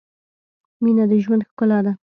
• مینه د ژوند ښکلا ده.